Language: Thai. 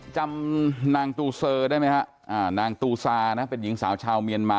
จำนางตูเซอร์ได้ไหมฮะนางตูซานะเป็นหญิงสาวชาวเมียนมา